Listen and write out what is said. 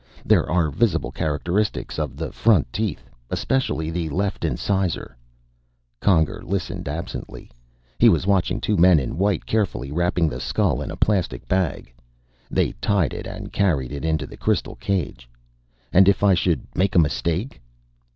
There are visible characteristics of the front teeth, especially the left incisor " Conger listened absently. He was watching two men in white carefully wrapping the skull in a plastic bag. They tied it and carried it into the crystal cage. "And if I should make a mistake?"